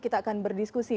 kita akan berdiskusi